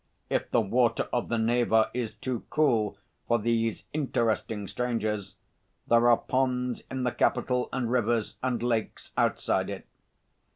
If the water of the Neva is too cold for these interesting strangers, there are ponds in the capital and rivers and lakes outside it.